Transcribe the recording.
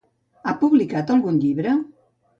Ha publicat algun llibre?